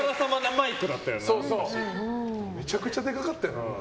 めちゃくちゃでかかったよな、昔。